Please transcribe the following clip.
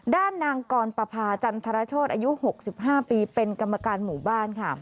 ด้านนางกรปภาจันทรโชธอายุ๖๕ปีเป็นกรรมการหมู่บ้านค่ะ